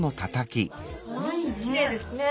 きれいですね。